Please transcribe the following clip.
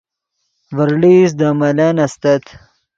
ڤرڑئیست دے ملن استت